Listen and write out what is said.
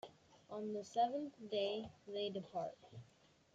On the seventh day they depart.